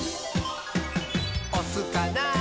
「おすかな？